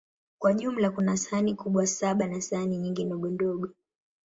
Kwa jumla, kuna sahani kubwa saba na sahani nyingi ndogondogo.